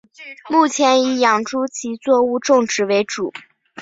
目前以养猪及作物种植为主。